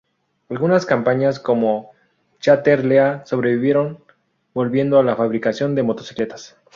Algunas compañías como Chater-Lea sobrevivieron volviendo a la fabricación de motocicletas.